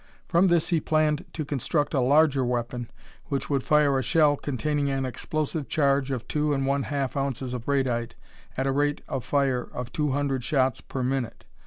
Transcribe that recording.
From this he planned to construct a larger weapon which would fire a shell containing an explosive charge of two and one half ounces of radite at a rate of fire of two hundred shots per minute.